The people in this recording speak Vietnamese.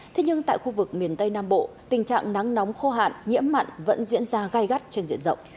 thế nhưng tại khu vực miền tây nam bộ tình trạng nắng nóng khô hạn nhiễm mặn vẫn diễn ra gai gắt trên diện rộng